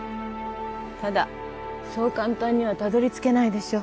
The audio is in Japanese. ただそう簡単にはたどり着けないでしょう